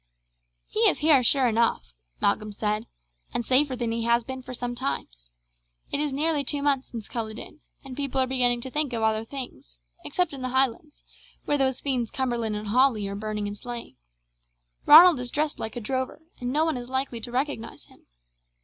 "He is here, sure enough," Malcolm said, "and safer than he has been for some time. It is nearly two months since Culloden, and people are beginning to think of other things, except in the Highlands, where those fiends Cumberland and Hawley are burning and slaying. Ronald is dressed like a drover, and no one is likely to recognize him.